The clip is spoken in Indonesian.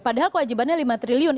padahal kewajibannya lima triliun